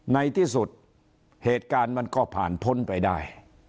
ในที่สุดเหตุการณ์มันก็ผ่านพ้นไปได้